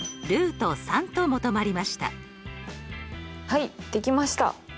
はいできました。